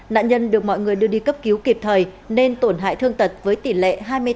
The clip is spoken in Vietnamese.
nạn nhân được mọi người đưa đi cấp cứu kịp thời nên tổn hại thương tật với tỷ lệ hai mươi tám